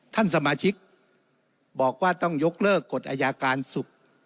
ท่านสมาชิกบอกว่าต้องยกเลิกกฐการศุกร์